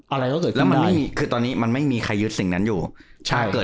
อะไรก็เกิดขึ้นได้